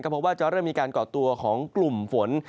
เพราะว่าจะเริ่มมีการก่อตัวของกลุ่มฝน